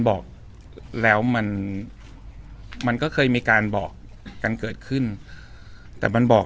บอกแล้วมันมันก็เคยมีการบอกกันเกิดขึ้นแต่มันบอก